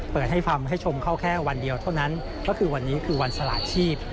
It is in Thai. เปิดให้ฟังให้ชมเข้าแค่วันเดียวเท่านั้นก็คือวันนี้คือวันสละชีพ